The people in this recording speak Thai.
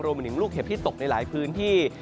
มาถึงลูกเห็บที่ตกในหลายพื้นที่